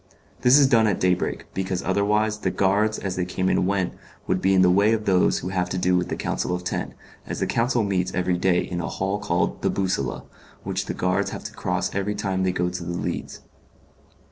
This is done at day break, because otherwise the guards as they came and went would be in the way of those who have to do with the Council of Ten, as the Council meets every day in a hall called The Bussola, which the guards have to cross every time they go to the Leads.